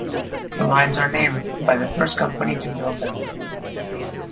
The lines are named by the first company to build them.